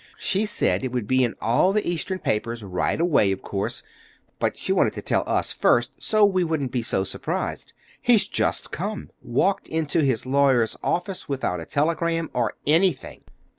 She said it would be in all the Eastern papers right away, of course, but she wanted to tell us first, so we wouldn't be so surprised. He's just come. Walked into his lawyer's office without a telegram, or anything.